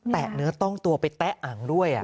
เนื้อต้องตัวไปแตะอังด้วย